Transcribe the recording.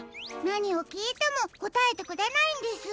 なにをきいてもこたえてくれないんです。